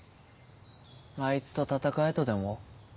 あいつと戦えとでも？